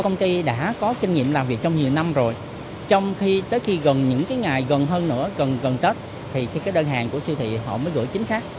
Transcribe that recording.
công ty đã có kinh nghiệm làm việc trong nhiều năm rồi trong khi tới khi gần những ngày gần hơn nữa gần tết thì cái đơn hàng của siêu thị họ mới gửi chính xác